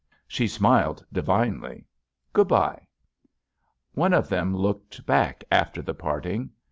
She smiled divinely. "Goodbye!" One of them looked back, after the part ing.